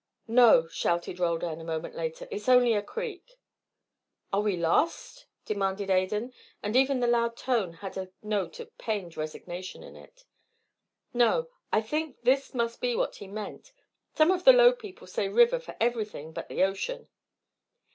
"No," shouted Roldan, a moment later "it is only a creek." "Are we lost?" demanded Adan; and even the loud tone had a note of pained resignation in it. "No; I think this must be what he meant. Some of the low people say river for everything but the ocean.